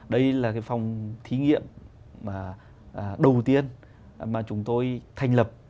đây là phòng thí nghiệm đầu tiên mà chúng tôi thành lập